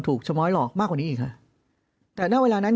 เพราะอาชญากรเขาต้องปล่อยเงิน